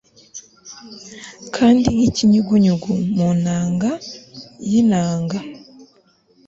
Kandi nkikinyugunyugu mu nanga yinanga